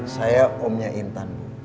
saya omnya intan